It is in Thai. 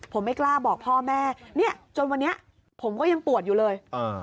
ผมไม่กล้าบอกพ่อแม่เนี่ยจนวันนี้ผมก็ยังปวดอยู่เลย